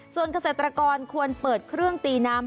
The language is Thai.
ส่วนเกษตรกรควรเปิดเครื่องตีน้ำ